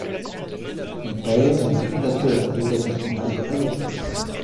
Son père est le fondateur des établissements Masurel et fils.